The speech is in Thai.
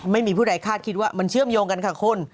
ไม่มีผู้ใดคาดคิดว่ามันเชื่อมโยงกันค่ะคุณ